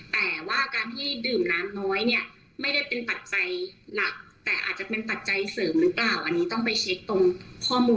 แต่ว่าการที่ดื่มน้ำน้อยเนี่ยไม่ได้เป็นปัจจัยหลักแต่อาจจะเป็นปัจจัยเสริมหรือเปล่า